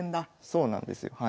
そうなんですはい。